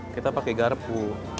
kita pakai garpu